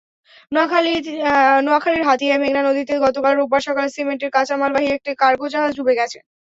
নোয়াখালীর হাতিয়ায় মেঘনা নদীতে গতকাল রোববার সকালে সিমেন্টের কাঁচামালবাহী একটি কার্গোজাহাজ ডুবে গেছে।